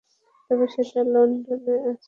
তবে সেটা লন্ডনে আছে।